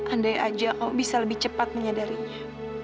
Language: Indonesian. andai aja oh bisa lebih cepat menyadarinya